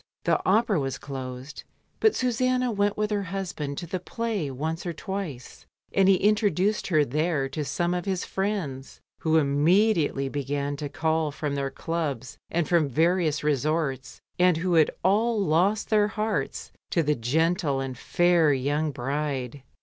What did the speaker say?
The Opera was closed^ but Susanna went with her husband to the play once or twice, and he introduced her th^re to some of his friends, who immediately began to call from their clubs and from various resorts, and who all lost their hearts to the gentle and fair young bride.